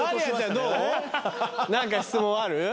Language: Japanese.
何か質問ある？